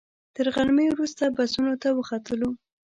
تر غرمې وروسته بسونو ته وختلو.